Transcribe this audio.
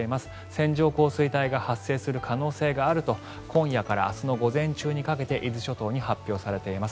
線状降水帯が発生する可能性があると今夜から明日の午前中にかけて伊豆諸島に発表されています。